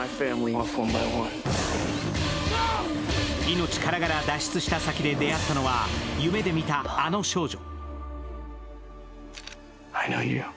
命からがら脱出した先で出会ったのは夢で出会ったあの少女。